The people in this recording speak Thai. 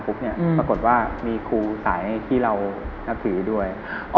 ปรากฏว่ามีครูสายที่เรานับถือด้วย